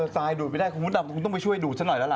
ตายดวดไม่ได้คุณต่อไปช่วยดูดฉันน้อยล่ะ